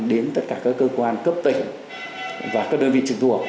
đến tất cả các cơ quan cấp tỉnh và các đơn vị trực thuộc